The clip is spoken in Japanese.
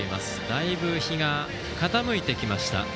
だいぶ日が傾いてきました